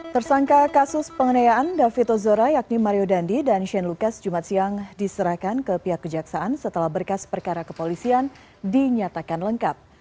tersangka kasus pengenayaan david ozora yakni mario dandi dan shane lucas jumat siang diserahkan ke pihak kejaksaan setelah berkas perkara kepolisian dinyatakan lengkap